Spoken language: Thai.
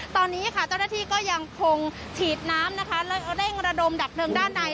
ตอนนี้ค่ะเจ้าหน้าที่ก็ยังคงฉีดน้ำนะคะและเร่งระดมดับเพลิงด้านใน